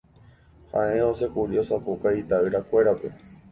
ha osẽkuri osapukái ita'yrakuérape